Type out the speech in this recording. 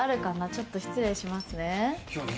ちょっと失礼しますね。